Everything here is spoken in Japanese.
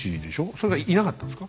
それがいなかったんですか？